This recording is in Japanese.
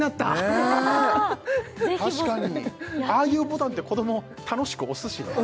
ねえ確かにああいうボタンって子ども楽しく押すしね